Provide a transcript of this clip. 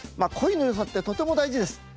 声のよさってとても大事です。